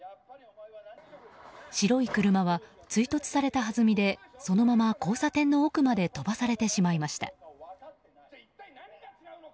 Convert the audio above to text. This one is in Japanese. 白い車は追突されたはずみでそのまま交差点の奥まで飛ばされてしまいました。